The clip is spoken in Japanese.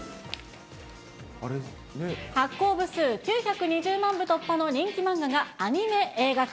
発行部数９２０万部突破の人気漫画がアニメ映画化。